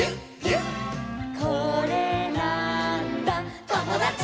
「これなーんだ『ともだち！』」